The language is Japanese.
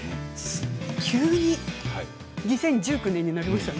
急に２０１９年になりましたね。